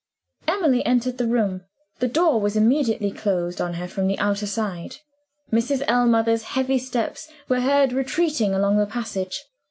Emily entered the room. The door was immediately closed on her from the outer side. Mrs. Ellmother's heavy steps were heard retreating along the passage.